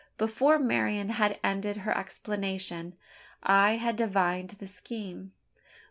Before Marian had ended her explanation, I had divined the scheme.